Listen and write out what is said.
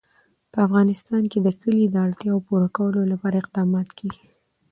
په افغانستان کې د کلي د اړتیاوو پوره کولو لپاره اقدامات کېږي.